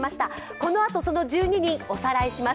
このあとその１２人、おさらいします